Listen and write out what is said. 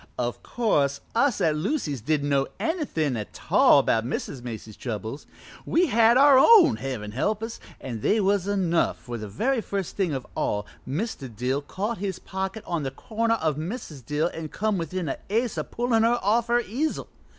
"O' course, us at Lucy's didn't know anythin' a tall about Mrs. Macy's troubles. We had our own, Heaven help us, an' they was enough, for the very first thing of all Mr. Dill caught his pocket on the corner of Mrs. Dill an' come within a ace of pullin' her off her easel.